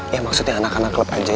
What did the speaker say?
ya maksudnya anak anak klub aja